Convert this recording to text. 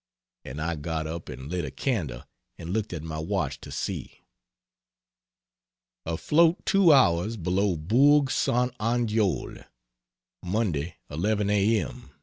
And I got up and lit a candle and looked at my watch to see. AFLOAT 2 HOURS BELOW BOURG ST. ANDEOL. Monday, 11 a.m.